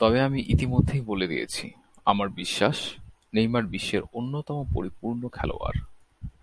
তবে আমি ইতিমধ্যেই বলে দিয়েছি, আমার বিশ্বাস, নেইমার বিশ্বের অন্যতম পরিপূর্ণ খেলোয়াড়।